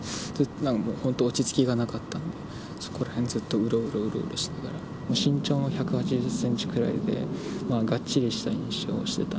なので、本当、落ち着きがなかったんで、そこら辺をずっとうろうろうろうろしながら、身長も１８０センチくらいで、がっちりした印象してた。